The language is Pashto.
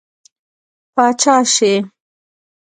پاچا شي.